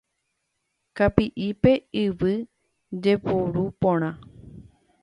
Kapi'ipe yvy jeporu porã.